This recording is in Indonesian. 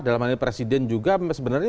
dalam hal ini presiden juga sebenarnya